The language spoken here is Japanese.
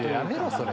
それ。